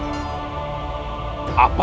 diris bang larang